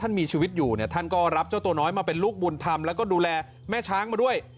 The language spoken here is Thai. มีชีวิตอยู่เนี่ยท่านก็รับเจ้าตัวน้อยมาเป็นลูกบุญธรรมแล้วก็ดูแลแม่ช้างมาด้วย